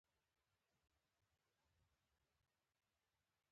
د کرنیزو محصولاتو لپاره معیاري ذخیره ګاهونه جوړول اړین دي.